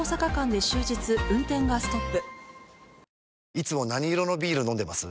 いつも何色のビール飲んでます？